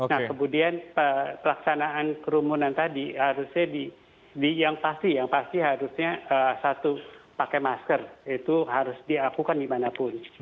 nah kemudian pelaksanaan kerumunan tadi harusnya yang pasti yang pasti harusnya satu pakai masker itu harus diakukan dimanapun